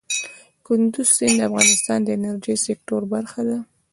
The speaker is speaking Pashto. کندز سیند د افغانستان د انرژۍ سکتور برخه ده.